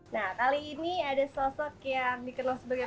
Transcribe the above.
nah kali ini ada sosok yang dikenal sebagai